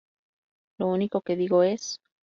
Lo único que digo es